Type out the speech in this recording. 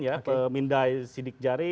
ya pemindai sidik jari